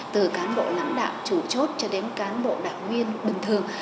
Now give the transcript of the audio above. từ cán bộ lãnh đạo chủ chốt cho đến cán bộ đảng viên bình thường